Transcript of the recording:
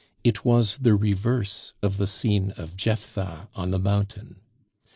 It was the reverse of the scene of Jephtha on the mountain.